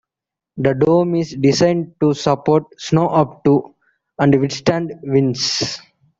The dome is designed to support snow up to and withstand winds.